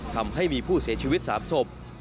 ทำให้มีผู้เสียชีวิต๓ศพ